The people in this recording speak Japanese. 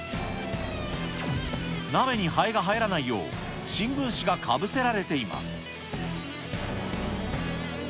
鍋にハエが入らないよう、新聞紙がかぶせられています。